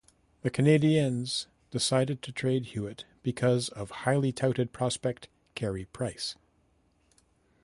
The Canadiens decided to trade Huet because of highly touted prospect, Carey Price.